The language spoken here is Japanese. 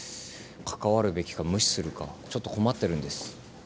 関わるべきか無視するかちょっと困ってるんです。